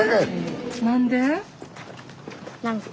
何で？